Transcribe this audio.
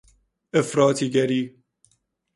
افراطی گری